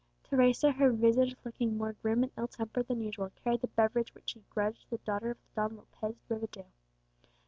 Teresa, her visage looking more grim and ill tempered than usual, carried the beverage which she grudged to the daughter of Don Lopez de Rivadeo.